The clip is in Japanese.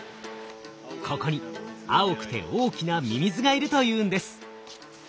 ここに青くて大きなミミズがいるというんです。